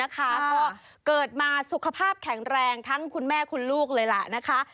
ก็เกิดมาสุขภาพแข็งแรงทั้งคุณแม่คุณลูกเลยล่ะนะคะ